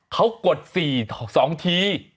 เขากด๔สองที